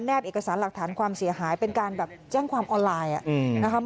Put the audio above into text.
เอกสารหลักฐานความเสียหายเป็นการแบบแจ้งความออนไลน์นะคะ